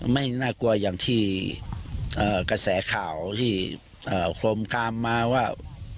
ไม่น่ากลัวอย่างที่กระแสข่าวที่โครมกามมาว่า